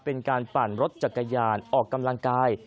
เป็นการปั่นรถจักรยานออกกำลังกาย